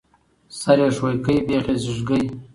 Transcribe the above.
ـ سر يې ښويکى، بېخ يې زيږکى.